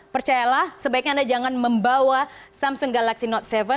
percayalah sebaiknya anda jangan membawa samsung galaxy note tujuh